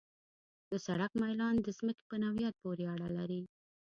د سړک میلان د ځمکې په نوعیت پورې اړه لري